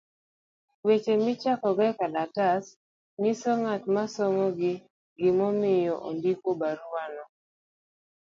Weche michakogo ekalatas , nyiso ne ng'at ma somogi gimomiyo ondiko barua no.